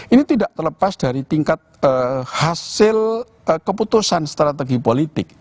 ini tidak terlepas dari tingkat hasil keputusan strategi politik